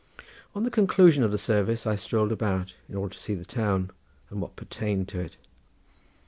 On the conclusion of the services I strolled about in order to see the town and what pertained to it.